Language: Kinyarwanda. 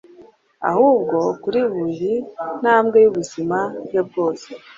ahubwo kuri buri ntabwe y'ubuzima bwe bwose.